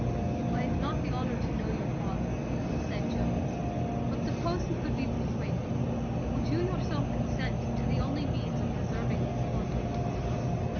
"I have not the honour to know your father," said Jones; "but, suppose he could be persuaded, would you yourself consent to the only means of preserving these poor people?"